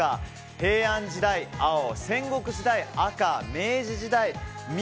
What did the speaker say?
平安時代、青戦国時代、赤明治時代、緑。